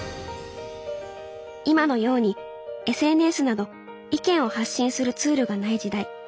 今のようにＳＮＳなど意見を発信するツールがない時代。